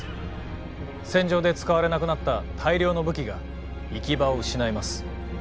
戦場で使われなくなった大量の武器が行き場を失います。